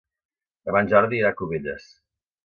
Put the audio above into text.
Demà en Jordi irà a Cubelles.